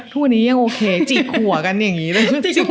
ทุกวันยังโอเคจีบหัวกันอย่างนี้เลย